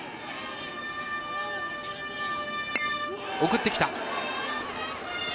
送ってきた。